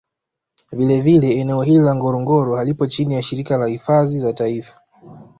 Vile vile eneo hili la ngorongoro halipo chini ya Shirika la hifadhi za Taifa